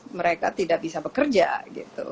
mereka tidak bisa bekerja gitu